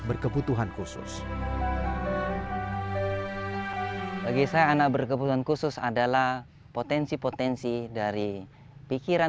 berkebutuhan khusus bagi saya anak berkebutuhan khusus adalah potensi potensi dari pikiran